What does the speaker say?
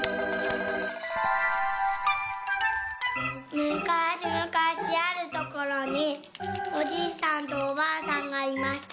「むかしむかしあるところにおじいさんとおばあさんがいました。